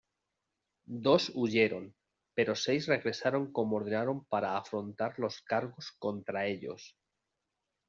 Dos huyeron, pero seis regresaron como ordenaron para afrontar los cargos contra ellos.